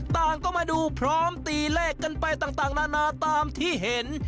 ต่างก็มาดูพร้อมตีเลขกันไปต่างนานาตามที่เห็น